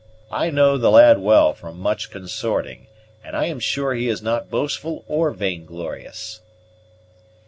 I know the lad well from much consorting, and I am sure he is not boastful or vainglorious."